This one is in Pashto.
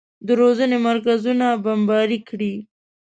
د روزنې مرکزونه بمباري کړي.